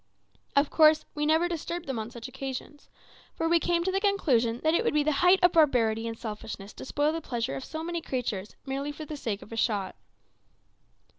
Of course, we never disturbed them on such occasions, for we came to the conclusion that it would be the height of barbarity and selfishness to spoil the pleasure of so many creatures merely for the sake of a shot.